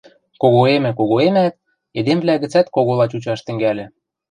Когоэмӹ-когоэмӓт, эдемвлӓ гӹцӓт когола чучаш тӹнгӓльӹ.